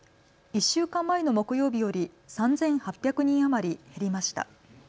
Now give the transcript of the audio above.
１週間前の木曜日より３８００人余り減りました。